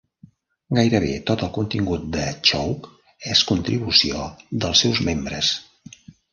Gairebé tot el contingut de Chowk és contribució dels seus membres.